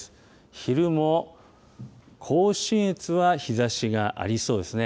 昼も、甲信越は日ざしがありそうですね。